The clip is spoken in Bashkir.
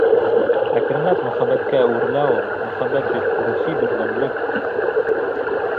Әкренләп мөхәббәткә әүерелә ул. Мөхәббәт бит -рухи берҙәмлек.